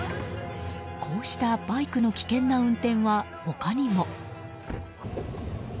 こうしたバイクの危険な運転は他にも。